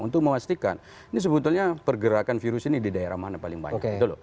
untuk memastikan ini sebetulnya pergerakan virus ini di daerah mana paling banyak